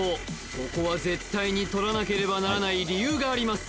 ここは絶対に取らなければならない理由があります